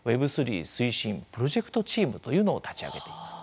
Ｗｅｂ３推進プロジェクトチームというのを立ち上げてます。